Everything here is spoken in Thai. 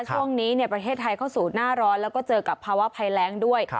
ช่วงนี้ประเทศไทยเข้าสู่หน้าร้อนแล้วก็เจอกับภาวะภัยแรงด้วย